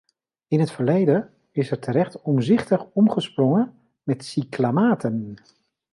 In het verleden is terecht omzichtig omgesprongen met cyclamaten.